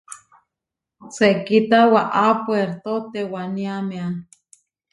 Sekíta waʼá Puérto tewaniámea.